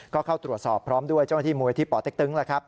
ก็เข้าตรวจสอบพร้อมด้วยเจ้าหน้าที่มุยที่ปเต๊กตึ๊ง